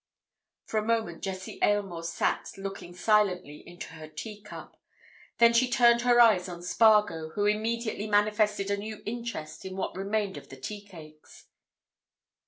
For a moment Jessie Aylmore sat looking silently into her tea cup. Then she turned her eyes on Spargo, who immediately manifested a new interest in what remained of the tea cakes.